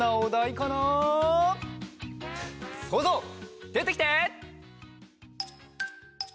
そうぞうでてきて！